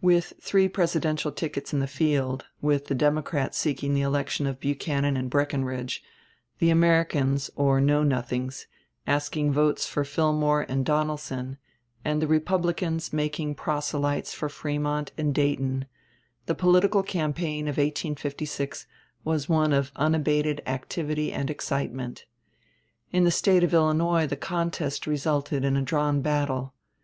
With three presidential tickets in the field with the Democrats seeking the election of Buchanan and Breckinridge, the Americans, or Know Nothings, asking votes for Fillmore and Donelson, and the Republicans making proselytes for Frémont and Dayton the political campaign of 1856 was one of unabated activity and excitement. In the State of Illinois the contest resulted in a drawn battle.